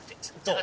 あ！